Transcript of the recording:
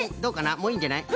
もういいんじゃない？